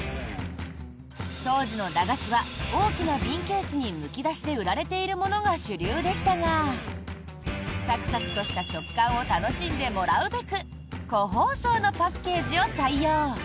当時の駄菓子は大きな瓶ケースにむき出しで売られているものが主流でしたがサクサクとした食感を楽しんでもらうべく個包装のパッケージを採用。